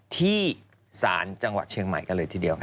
ที่ศาลจังหวัดเชียงใหม่กันเลยทีเดียว